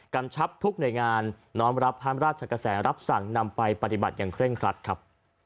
ชับทุกหน่วยงานน้อมรับพระราชกระแสรับสั่งนำไปปฏิบัติอย่างเร่งครัดครับ